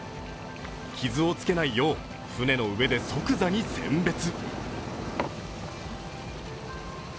傷をつけないよう、船の上で即座に選別。